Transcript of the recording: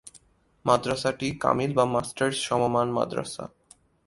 মাদ্রাসাটি কামিল বা মাস্টার্স সমমান মাদ্রাসা।